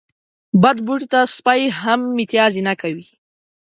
بد بوټي ته سپي هم متازې نه کوي.